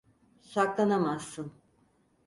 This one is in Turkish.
Saklanamazsın.